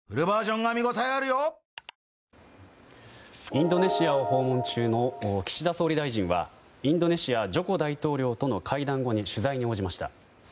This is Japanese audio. インドネシアを訪問中の岸田総理大臣はインドネシアジョコ大統領との会談後に取材に応じました。